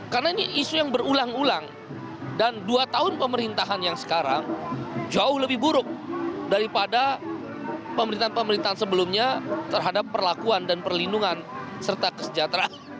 karena ini isu yang berulang ulang dan dua tahun pemerintahan yang sekarang jauh lebih buruk daripada pemerintahan pemerintahan sebelumnya terhadap perlakuan dan perlindungan serta kesejahteraan